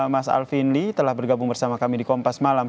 mas alvin lee telah bergabung bersama kami di kompas malam